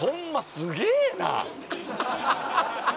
すげえな！